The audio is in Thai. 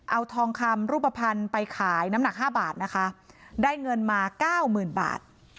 เอาทองคำรูปภัณฑ์ไปขายน้ำหนัก๕บาทนะคะได้เงินมา๙๐๐๐๐บาท